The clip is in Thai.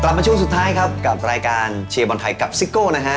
มาช่วงสุดท้ายครับกับรายการเชียร์บอลไทยกับซิโก้นะฮะ